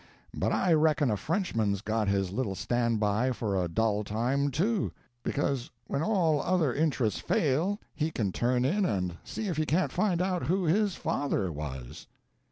But I reckon a Frenchman's got his little stand by for a dull time, too; because when all other interests fail he can turn in and see if he can't find out who his father was!"